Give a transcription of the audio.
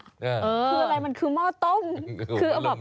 ที่อะไรมันคือมอดต้ม